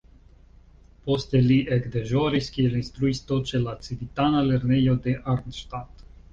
Poste li ekdeĵoris kiel instruisto ĉe la civitana lernejo de Arnstadt.